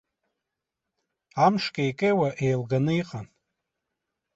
Амш кеи-кеиуа еилганы иҟан.